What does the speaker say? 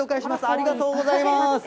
ありがとうございます。